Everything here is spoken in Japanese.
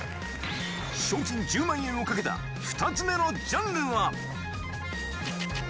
賞金１０万円を懸けた２つ目のジャンルは？